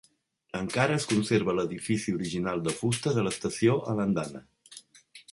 Encara es conserva l'edifici original de fusta de l'estació a l'andana.